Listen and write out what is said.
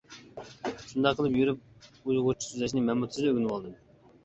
شۇنداق قىلىپ يۈرۈپ ئۇيغۇرچە سۆزلەشنى مەنمۇ تېزلا ئۆگىنىۋالدىم.